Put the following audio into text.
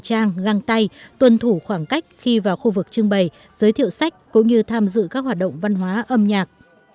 các khách tham dự festival phải găng tay tuân thủ khoảng cách khi vào khu vực trưng bày giới thiệu sách cũng như tham dự các hoạt động văn hóa âm nhạc